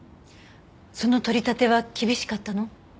その取り立ては厳しかったの？